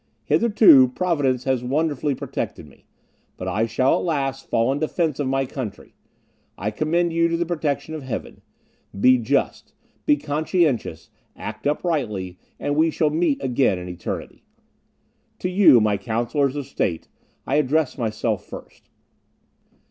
Hitherto, Providence has wonderfully protected me, but I shall at last fall in defence of my country. I commend you to the protection of Heaven. Be just, be conscientious, act uprightly, and we shall meet again in eternity. "To you, my Counsellors of State, I address myself first.